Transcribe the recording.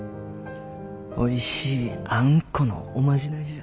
おいしいあんこのおまじないじゃ。